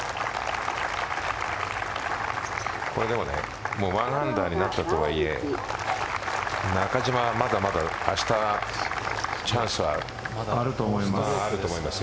でも、１アンダーになったとはいえ中島はまだまだ明日チャンスはあると思いますよ。